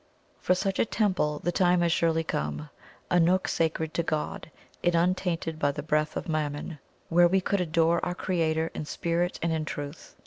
For such a temple, the time has surely come a nook sacred to God, and untainted by the breath of Mammon, where we could adore our Creator "in spirit and in truth."